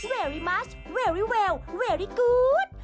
เวรี่มัชเวรี่เวลเวรี่กู๊ด